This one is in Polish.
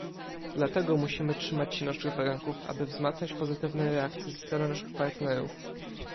Dlatego musimy trzymać się naszych warunków, aby wzmacniać pozytywne reakcje ze strony naszych partnerów